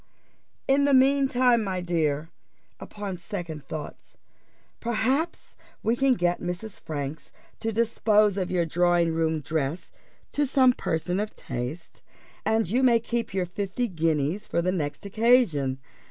In the mean time, my dear, upon second thoughts, perhaps we can get Mrs. Franks to dispose of your drawing room dress to some person of taste, and you may keep your fifty guineas for the next occasion.